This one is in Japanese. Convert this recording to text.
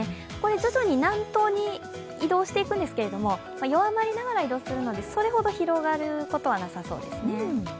徐々に南東に移動していくんですけれども、弱まりながら移動するので、それほど広がることはなさそうですね。